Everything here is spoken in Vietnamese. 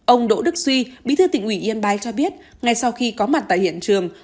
ông đỗ đức suy bí thư tỉnh ủy yên bái cho biết ngay sau khi có mặt tại hiện trường